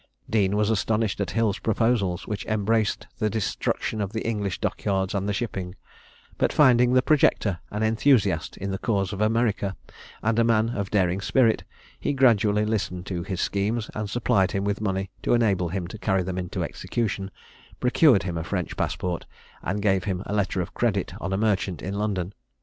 Deane was astonished at Hill's proposals, which embraced the destruction of the English dock yards and the shipping; but finding the projector an enthusiast in the cause of America, and a man of daring spirit, he gradually listened to his schemes, and supplied him with money to enable him to carry them into execution, procured him a French passport, and gave him a letter of credit on a merchant in London.